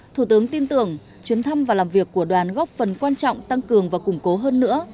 thủ tướng tin tưởng chuyến thăm và làm việc của đoàn góp phần quan trọng tăng cường và củng cố hơn nữa